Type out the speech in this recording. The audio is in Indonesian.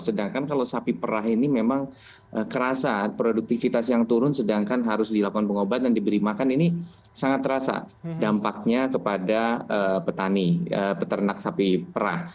sedangkan kalau sapi perah ini memang kerasa produktivitas yang turun sedangkan harus dilakukan pengobatan diberi makan ini sangat terasa dampaknya kepada petani peternak sapi perah